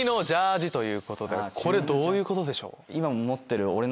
これどういうことでしょう？